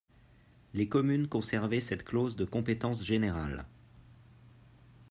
Les communes conservaient cette clause de compétence générale.